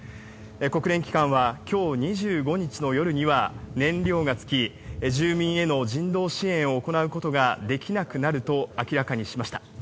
国連機関は今日２５日の夜には燃料が尽き住民への人道支援を行うことができなくなると明らかにしました。